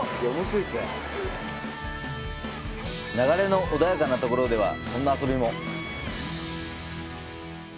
流れの穏やかなところではこんな遊びも。